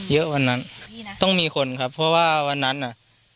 เยอะวันนั้นต้องมีคนครับเพราะว่าวันนั้นอ่ะ